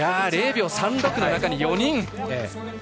０秒３６の中に４人。